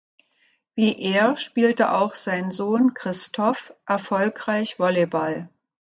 Wie er, spielte auch sein Sohn Christophe erfolgreich Volleyball.